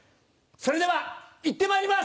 それではいってまいります！